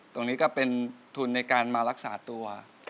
ตรงนี้ก็เป็นทุนในการมารักษาตัว